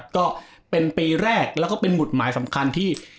ก็เป็นปีแรกแล้วก็เป็นหมุดหมายสำคัญที่